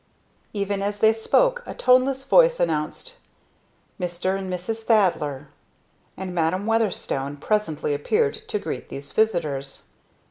Even as they spoke a toneless voice announced, "Mr. and Mrs. Thaddler," and Madam Weatherstone presently appeared to greet these visitors.